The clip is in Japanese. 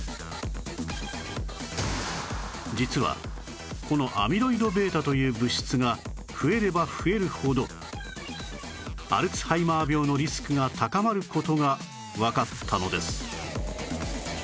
実はこのアミロイド β という物質が増えれば増えるほどアルツハイマー病のリスクが高まる事がわかったのです